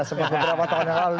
seperti beberapa tahun yang lalu